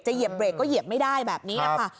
เหยียบเบรกก็เหยียบไม่ได้แบบนี้นะคะ